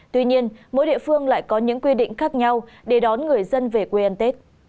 tuy nhiên mỗi địa phương lại có những quy định khác nhau để đón người dân về quê ăn tết